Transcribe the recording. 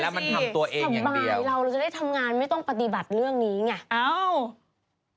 เราก็จะได้ทำงานไม่ต้องปฏิบัติเรื่องนี้ไง